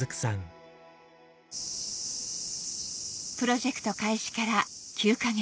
プロジェクト開始から９か月